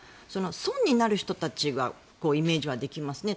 損になる人たちのイメージはできますね。